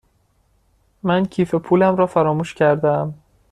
من کیف پولم را فراموش کرده ام.